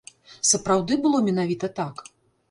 Сапраўды было менавіта так?